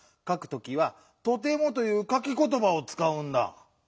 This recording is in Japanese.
かくときは「とても」という「かきことば」をつかうんだ。